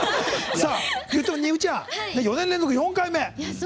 丹生ちゃん、４年連続４回目。